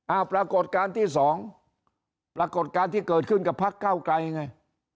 ปรากฏการณ์ที่สองปรากฏการณ์ที่เกิดขึ้นกับพักเก้าไกลไง